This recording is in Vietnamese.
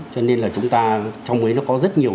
cho nên là chúng ta trong ấy nó có rất nhiều